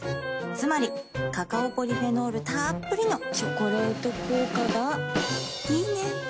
つまりカカオポリフェノールたっぷりの「チョコレート効果」がいいね。